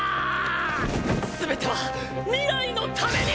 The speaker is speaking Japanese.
全ては未来のために！